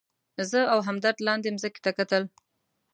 زه او همدرد لاندې مځکې ته کتل.